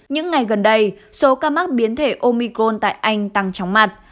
những ngày gần đây số ca mắc biến thể omicron tại anh tăng chóng mặt